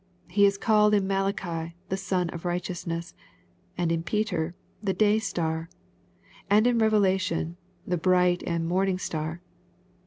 He is called in Malachi, " the Sun of righteousness," and in Peter, "the day star," and in Revelation, " the bright and morning star."